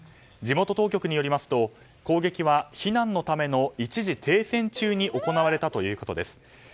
地元当局によりますと攻撃は、避難のための一時停戦中に行われたということです。